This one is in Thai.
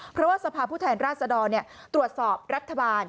เพราะว่าสภาพผู้แทนราชดรตรวจสอบรัฐบาล